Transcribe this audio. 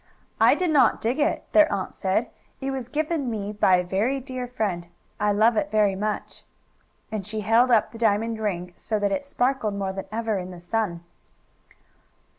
"I did not dig it," their aunt said. "It was given me by a very dear friend. I love it very much," and she held up the diamond ring, so that it sparkled more than ever in the sun.